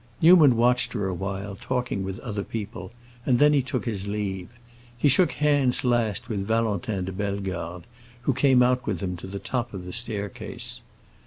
Newman watched her a while, talking with other people, and then he took his leave. He shook hands last with Valentin de Bellegarde, who came out with him to the top of the staircase.